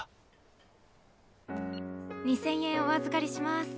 ２，０００円お預かりします。